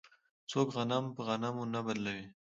څوک غنم په غنمو نه بدلوي.